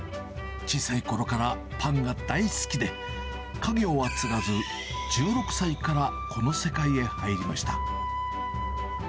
小さいころからパンが大好きで、家業は継がず、１６歳からこの世界へ入りました。